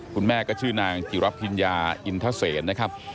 คุณแม่ก็ชื่อนางจิรับพิญญาอินทเซนนะครับ